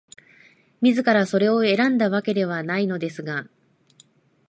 自らそれを選んだわけではないのですが、